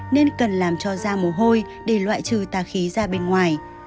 nên cần làm cho da mồ hôi để loại trừ tà khí ra bên ngoài